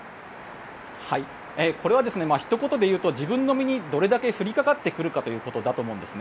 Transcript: これはひと言で言うと自分の身にどれだけ降りかかってくるかということだと思うんですね。